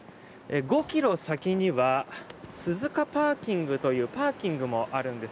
５ｋｍ先には鈴鹿ＰＡというパーキングもあるんです。